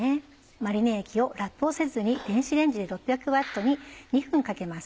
マリネ液をラップをせずに電子レンジで６００Ｗに２分かけます。